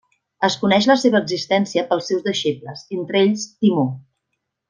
Es coneix la seva existència pels seus deixebles, entre ells Timó.